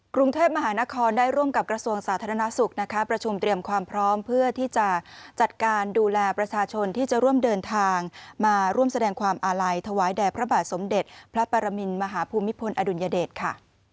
กรุงเทพมหานครได้ร่วมกับกระทรวงสาธารณสุขนะคะประชุมเตรียมความพร้อมเพื่อที่จะจัดการดูแลประชาชนที่จะร่วมเดินทางมาร่วมแสดงความอาลัยถวายแด่พระบาทสมเด็จพระปรมินมหาภูมิพลอดุลยเดชค่ะ